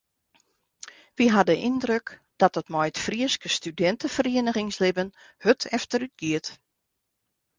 Wy ha de yndruk dat it mei it Fryske studinteferieningslibben hurd efterútgiet.